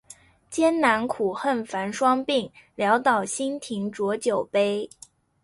艰难苦恨繁霜鬓，潦倒新停浊酒杯